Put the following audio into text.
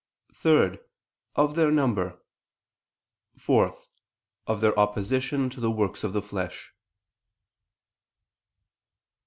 (3) Of their number? (4) Of their opposition to the works of the flesh.